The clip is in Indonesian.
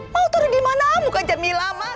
mau taruh dimana amu ke jamila mas